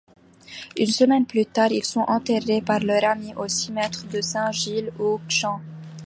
Une semaine plus tard ils sont enterrés par leurs amis au cimetière de Saint-Gilles-aux-Champs.